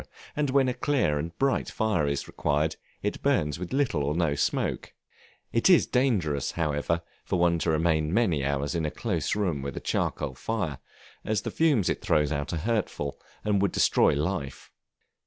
and when a clear and bright fire is required, as it burns with little or no smoke; it is dangerous, however, for one to remain many hours in a close room with a charcoal fire, as the fumes it throws out are hurtful, and would destroy life.